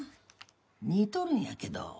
似とるんやけど。